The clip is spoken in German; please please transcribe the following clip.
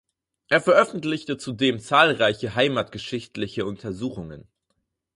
Er veröffentlichte zudem zahlreiche heimatgeschichtliche Untersuchungen.